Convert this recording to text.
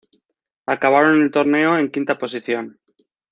Acabaron el torneo en quinta posición.